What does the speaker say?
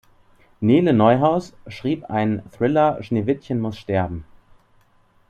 Nele Neuhaus schrieb einen Thriller "Schneewittchen muss sterben".